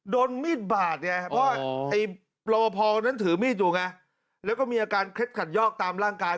โดนมีดบาดไงเพราะไอ้โปรพอคนนั้นถือมีดอยู่ไงแล้วก็มีอาการเคล็ดขัดยอกตามร่างกาย